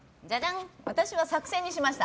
私は作戦にしました。